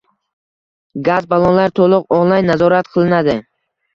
Gaz ballonlar to‘liq onlayn nazorat qilinadi